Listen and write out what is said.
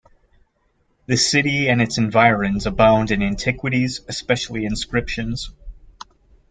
The city and its environs abound in antiquities, especially inscriptions.